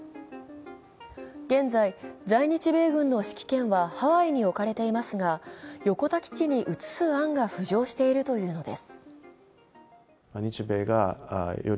現在、在日米軍の指揮権はハワイに置かれていますが横田基地に移す案が浮上しているというのです。